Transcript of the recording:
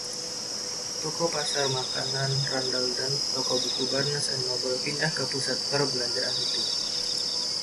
Toko Pasar Makanan Randall dan toko buku Barnes and Noble pindah ke pusat perbelanjaan itu.